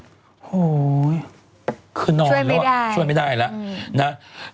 โหช่วยไม่ได้คือนอนแล้วช่วยไม่ได้แล้ว